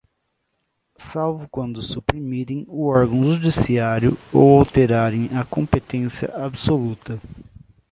salvo quando suprimirem órgão judiciário ou alterarem a competência absoluta.